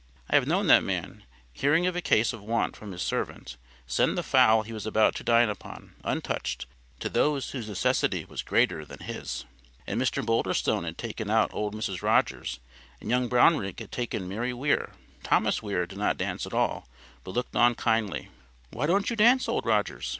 I have known that man, hearing of a case of want from his servant, send the fowl he was about to dine upon, untouched, to those whose necessity was greater than his. And Mr Boulderstone had taken out old Mrs Rogers; and young Brownrigg had taken Mary Weir. Thomas Weir did not dance at all, but looked on kindly. "Why don't you dance, Old Rogers?"